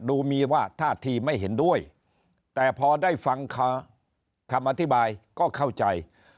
ดูมีว่าท่าทีไม่เห็นด้วยแต่พอได้ฟังคำอธิบายก็เข้าใจ